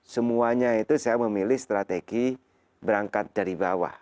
semuanya itu saya memilih strategi berangkat dari bawah